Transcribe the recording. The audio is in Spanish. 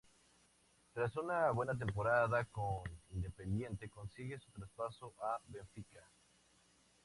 Tras una buena temporada con Independiente, consigue su traspaso al Benfica.